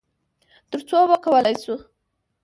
تر څو وکولی شو،